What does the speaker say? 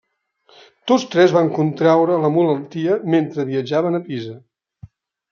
Tots tres van contraure la malaltia mentre viatjaven a Pisa.